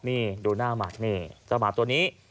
นี่ดูหน้าหมัดนี่สมัครตัวนี้